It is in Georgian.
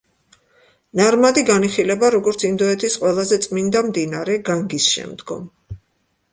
ნარმადი განიხილება როგორც ინდოეთის ყველაზე წმინდა მდინარე განგის შემდგომ.